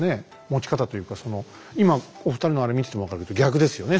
持ち方というか今お二人のあれ見てても分かるけど逆ですよね